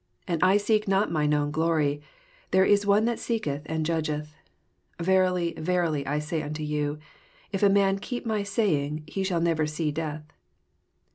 60 And I seek not mine own glory: there is one that seeketh and jndget^. 61 Verily, verily, I say unto you, If a man keep my saying, he shall never see death.